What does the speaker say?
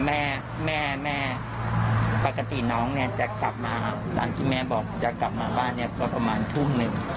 แม่แม่ปกติน้องเนี่ยจะกลับมาตามที่แม่บอกจะกลับมาบ้านเนี่ยก็ประมาณทุ่มหนึ่ง